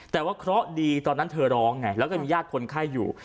แต่ว่าเคราะห์ดีตอนนั้นเธอร้องไงแล้วก็มีญาติคนไข้อยู่